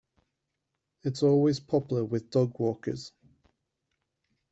It's always popular with dog walkers.